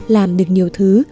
làm được nhiều thứ